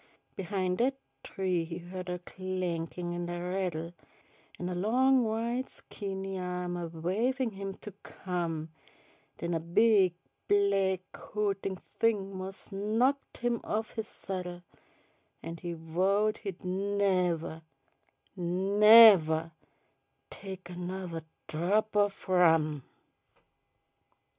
Behin' dat tree he hu'd a clankin' an' a rattle, An' a long white skinny ahm a wavin' him to come, Den a big black hootin' thing mos' knocked him off his saddle, An' he vowed he'd nevuh, nevuh tech anothuh drop o' rum.